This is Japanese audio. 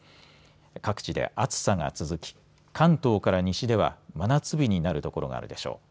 各地で暑さが続き関東から西では真夏日になるところがあるでしょう。